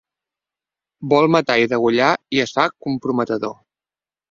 Vol matar i degollar i es fa comprometedor.